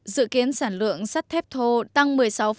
dự kiến sản lượng sắt thép thô tăng một mươi sáu